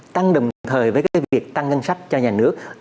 tăng đồng thời với việc tăng ngân sách cho nhà nước